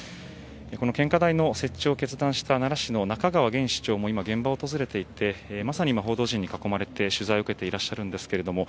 この献花台の設置を決断した奈良市の中川現市長も今、現場を訪れていて報道陣に囲まれて取材を受けていらっしゃいます。